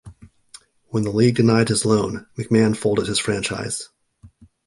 When the league denied his loan, McMahon folded his franchise.